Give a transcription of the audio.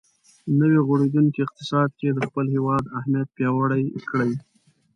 نوی غوړېدونکی اقتصاد کې د خپل هېواد اهمیت پیاوړی کړي.